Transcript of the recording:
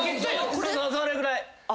それぐらい。